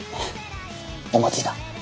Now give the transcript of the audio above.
思いついた。